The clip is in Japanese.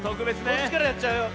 こっちからやっちゃうよ。